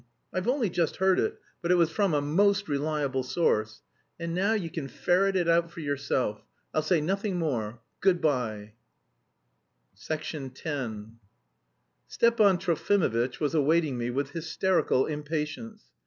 I've only just heard it, but it was from a most reliable source. And now you can ferret it out for yourself; I'll say nothing more; good bye." X Stepan Trofimovitch was awaiting me with hysterical impatience.